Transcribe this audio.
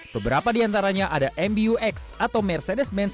beberapa di antaranya ada mbux atau mercedes benz